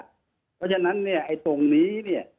เพราะฉะนั้นเนี่ยไอ้ตรงนี้เนี่ย